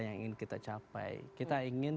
yang ingin kita capai kita ingin